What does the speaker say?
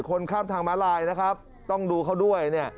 คนข้ามทางม้าลายนะครับต้องดูเขาด้วยเนี่ย